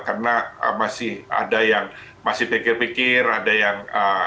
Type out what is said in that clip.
karena masih ada yang masih pikir pikir ada yang